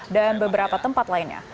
dan beberapa tempat lainnya